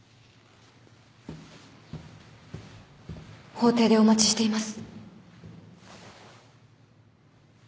法廷でお待ちしています。